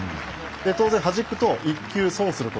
当然はじくと１球損する